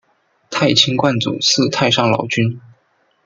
太清观主祀太上老君。